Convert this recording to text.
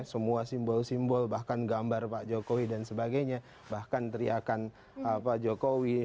semua simbol simbol bahkan gambar pak jokowi dan sebagainya bahkan teriakan pak jokowi